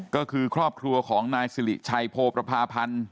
ก็คือครอบครัวของนายสิริชัยโพประพาพันธ์